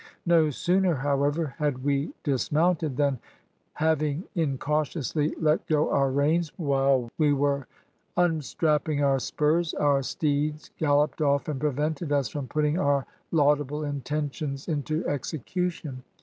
No sooner, however, had we dismounted, than having incautiously let go our reins, while we were unstrapping our spurs, our steeds galloped off and prevented us from putting our laudable intentions into execution.